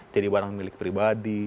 jadi barang milik pribadi